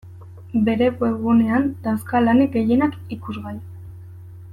Bere webgunean dauzka lanik gehienak ikusgai.